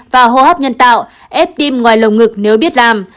và hô hấp nhân tạo ép tim ngoài lồng ngực nếu biết làm